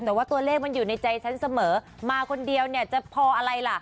แต่ว่าตัวเลขมันอยู่ในใจฉันเสมอมาคนเดียวเนี่ยจะพออะไรล่ะ